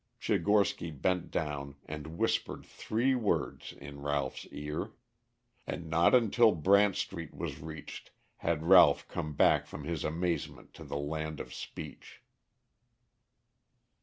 Tchigorsky bent down and whispered three words in Ralph's ear. And not until Brant Street was reached had Ralph come back from his amazement to the land of speech.